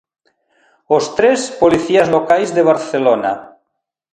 Os tres, policías locais de Barcelona.